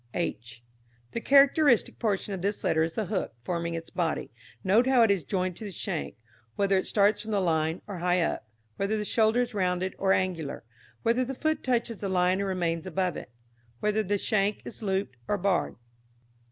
h. The characteristic portion of this letter is the hook forming its body. Note how it is joined to the shank whether it starts from the line or high up; whether the shoulder is rounded or angular, whether the foot touches the line or remains above it; whether the shank is looped or barred.